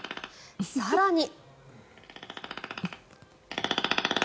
更に。